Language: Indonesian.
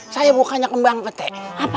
saya bukannya kembang petek